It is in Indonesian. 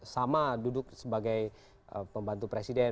sama duduk sebagai pembantu presiden